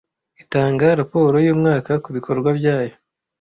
itanga raporo yumwaka kubikorwa byayo